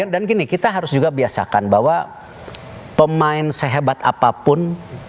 dan gini kita harus juga biasakan bahwa pemain sehebat apapun